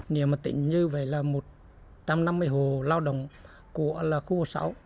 nếu một tỉnh như vậy là một trăm năm mươi hồ lao động của khu phố sáu